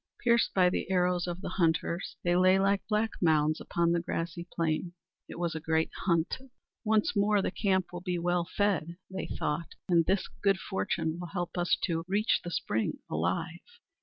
Pierced by the arrows of the hunters, they lay like black mounds upon the glassy plain. It was a great hunt! "Once more the camp will be fed," they thought, "and this good fortune will help us to reach the spring alive!"